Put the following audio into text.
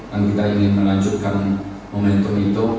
dan kita ingin melanjutkan momentum itu